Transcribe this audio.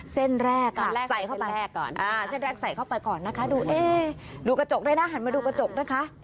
เส้นแรกใส่เข้าไปก่อนนะคะดูกระจกได้นะหันมาดูกระจกนะคะ